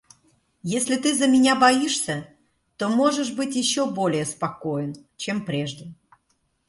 Если ты за меня боишься, то можешь быть еще более спокоен, чем прежде.